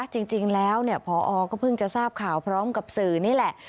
จริงแล้วพอก็เพิ่งจะทราบข่าวพร้อมกับสื่อนี่แหละ